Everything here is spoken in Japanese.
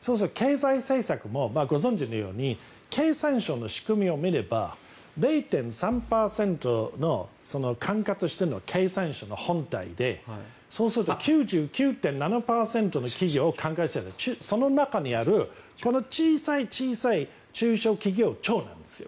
そうすると、経済政策もご存じのように経産省の仕組みを見れば０．３％を管轄しているのは経産省の本体でそうすると９９．７％の企業を管轄しているのはその中にあるこの小さい小さい中小企業庁なんですよ。